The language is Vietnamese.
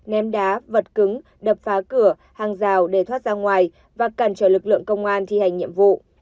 ném đá vật cứng đập phá cửa hàng rào để thoát ra ngoài và cản trở lực lượng công an thi hành nhiệm vụ